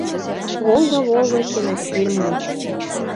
«Волга-Волга» кинофильм гыч.